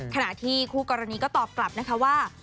ขณะที่คู่กรณีก็ตอบกลับนะคะว่า